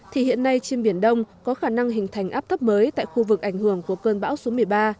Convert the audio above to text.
thì hiện nay trên biển đông có khả năng hình thành áp thấp mới tại khu vực ảnh hưởng của cơn bão số một mươi ba